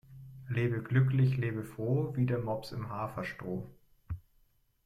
Lebe glücklich lebe froh, wie der Mops im Haferstroh.